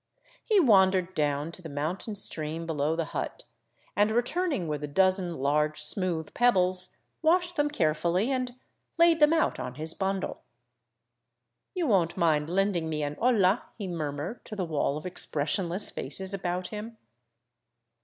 He wandered down to the mountain stream below the hut and, re turning with a dozen large smooth pebbles, washed them carefully, and laid them out on his bundle. " You won't mind lending me an oUa ?" he murmured to the wall of expressionless faces about him.